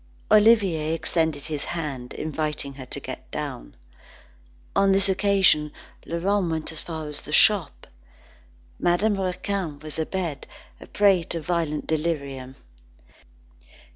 Olivier extended his hand, inviting her to get down. On this occasion, Laurent went as far as the shop. Madame Raquin was abed, a prey to violent delirium.